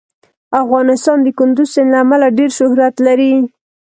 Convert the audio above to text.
افغانستان د کندز سیند له امله ډېر شهرت لري.